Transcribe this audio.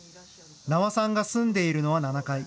名和さんが住んでいるのは７階。